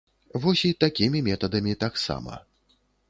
Вось і такімі метадамі таксама.